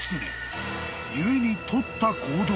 ［故にとった行動が］